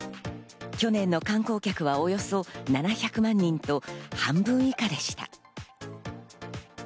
去年の観光客はおよそ７００万人と、半分以下でした。